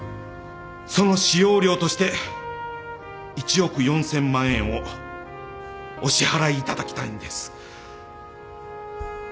その使用料として１億４，０００万円をお支払いいただきたいんです。